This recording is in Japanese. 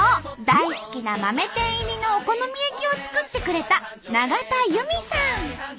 大好きな豆天入りのお好み焼きを作ってくれた永田由美さん！